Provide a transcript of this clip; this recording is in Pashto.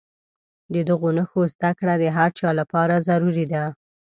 د دغو نښو زده کړه د هر چا لپاره ضروري ده.